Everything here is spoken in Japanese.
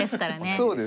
そうですね。